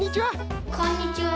こんにちは！